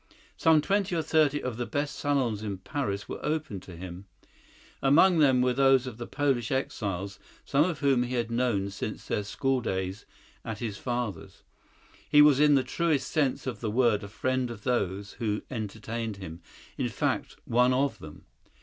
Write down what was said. Some twenty or thirty of the best salons in Paris were open to him. Among them were those of the Polish exiles, some of whom he had known since their school days at his father's. He was in the truest sense of the word a friend of those who entertained him—in fact, one of them.